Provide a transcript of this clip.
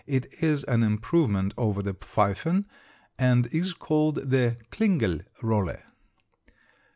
It is an improvement over the pfeiffen, and is called the klingel rolle.